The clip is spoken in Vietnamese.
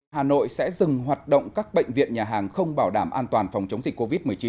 hà nội sẽ dừng hoạt động các bệnh viện nhà hàng không bảo đảm an toàn phòng chống dịch covid một mươi chín